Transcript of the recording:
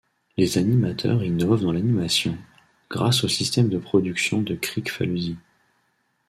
Les animateurs innovent dans l'animation, grâce au système de production de Kricfalusi.